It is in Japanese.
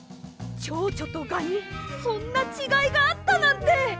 チョウチョとガにそんなちがいがあったなんて！